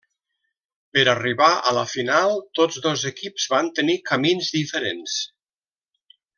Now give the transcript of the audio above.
Per arribar a la final, tots dos equips van tenir camins diferents.